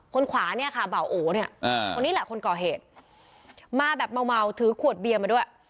คนขวาเนี่ยค่ะบ่าโอเนี่ยอ่าตรงนี้แหละคนก่อเหตุมาแบบเมาเมาถือขวดเบียนมาด้วย